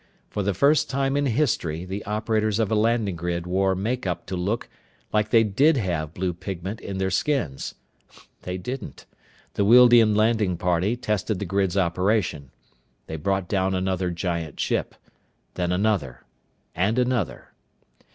For the first time in history the operators of a landing grid wore make up to look like they did have blue pigment in their skins. They didn't. The Wealdian landing party tested the grid's operation. They brought down another giant ship. Then another. And another.